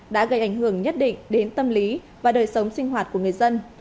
đã gây ảnh hưởng nhất định đến tâm lý và đời sống sinh hoạt của người dân